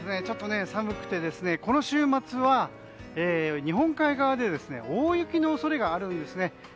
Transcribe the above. ちょっと寒くてこの週末は日本海側で大雪の恐れがあるんですね。